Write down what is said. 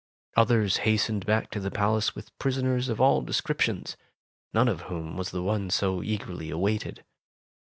Others hastened back to the palace with prisoners of all descriptions, none of whom was the one so eagerly awaited.